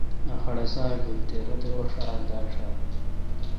ا خڑسار بیل تے رت اوݭار دال ݭات۔